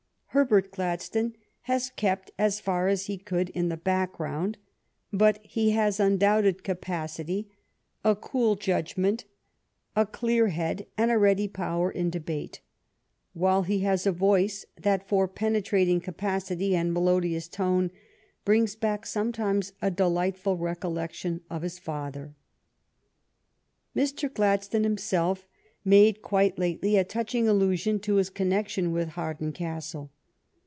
Herbert Gladstone has kept as far as he could in the background, but he has undoubted capacity, a GLADSTONE'S MARRIAGE 8i cool judgment, a clear head, and a ready power in debate, while he has a voice that for penetrating capacity and melodious tone brings back sometimes a delightful recollection of his father. Mr. Gladstone himself made quite lately a touch ing allusion to his connection with Hawarden Castle.